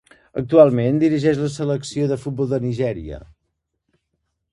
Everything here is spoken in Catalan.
Actualment dirigeix la selecció de futbol de Nigèria.